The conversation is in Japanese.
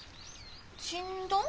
ちんどん？